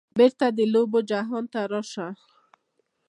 بیرته د لوبو جهان ته راشه